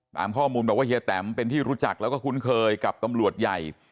ตามข้อมูลบอกว่าเฮียแตมเป็นที่รู้จักแล้วก็คุ้นเคยกับตำรวจใหญ่